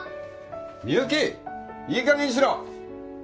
みゆきいいかげんにしろ！